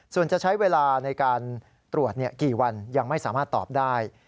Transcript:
ส่วนจะใช้เวลาในการตรวจกี่วันยังไม่สามารถตอบได้